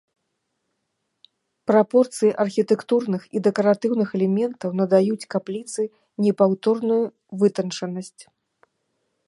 Прапорцыі архітэктурных і дэкаратыўных элементаў надаюць капліцы непаўторную вытанчанасць.